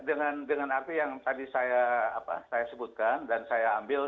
dengan arti yang tadi saya sebutkan dan saya ambil